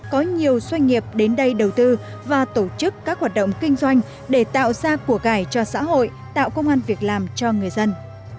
có nhiều doanh nghiệp đến đây đầu tư và tổ chức các hoạt động kinh doanh để tạo ra của cải cho xã hội tạo công an việc làm cho người dân